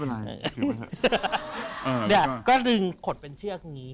เนี่ยก็ดึงขดเป็นเชือกนี้